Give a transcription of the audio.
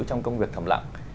trong công việc thầm lặng